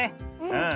うん。